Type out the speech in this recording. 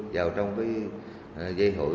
vào trong cái dây hội